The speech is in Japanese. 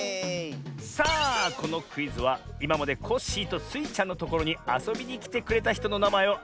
さあこのクイズはいままでコッシーとスイちゃんのところにあそびにきてくれたひとのなまえをあてるクイズだよ。